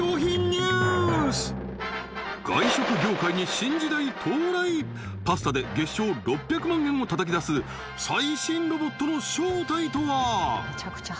ニュース外食業界に新時代到来パスタで月商６００万円をたたき出す最新ロボットの正体とは？